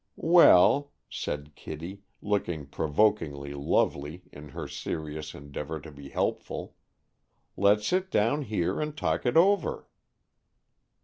"Well," said Kitty, looking provokingly lovely in her serious endeavor to be helpful, "let's sit down here and talk it over."